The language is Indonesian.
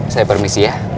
saya permisi ya